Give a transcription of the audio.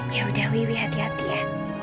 yaudah wuih hati hati ya